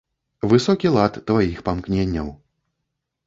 Высокі лад тваіх памкненняў!